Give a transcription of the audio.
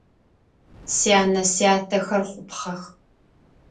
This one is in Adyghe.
Сянэ-сятэхэр хъупхъэх.